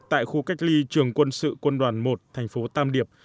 tại khu cách ly trường quân sự quân đoàn một tp tam điệp